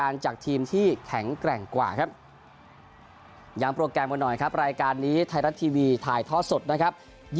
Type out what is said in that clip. ย้ำโปรแกรมกันหน่อยครับรายการนี้ไทยรัฐทีวีถ่ายทอดสดนะครับ